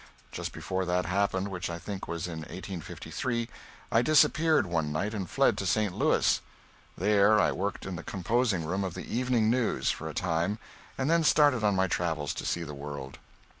Just before that happened (which I think was in 1853) I disappeared one night and fled to St. Louis. There I worked in the composing room of the "Evening News" for a time, and then started on my travels to see the world.